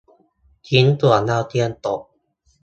ชิ้นส่วนดาวเทียมตก